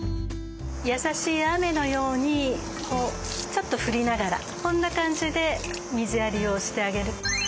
優しい雨のようにちょっと振りながらこんな感じで水やりをしてあげる。